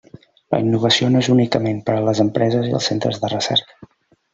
La innovació no és únicament per a les empreses i els centres de recerca.